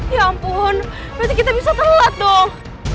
ya ampun pasti kita bisa telat dong